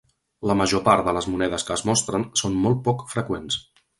La major part de les monedes que es mostren són molt poc freqüents.